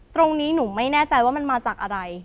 ตรงนี้หนูไม่แน่ใจว่ามันมาจากอะไร